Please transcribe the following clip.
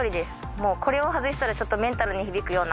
もうこれを外したらちょっとメンタルに響くような。